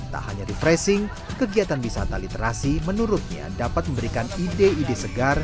tak hanya refreshing kegiatan wisata literasi menurutnya dapat memberikan ide ide segar